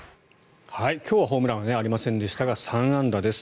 今日はホームランありませんでしたが３安打です。